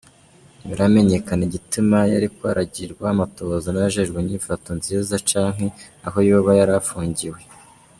Ntibiramenyekana igitima yariko aragirwako amatohoza n'abajejwe inyifato nziza canke aho yoba yari apfungiwe.